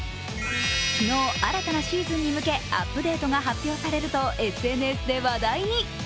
昨日、新たなシーズンに向け、アップデートが発表されるとＳＮＳで話題に。